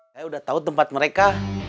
saya udah tau tempat mereka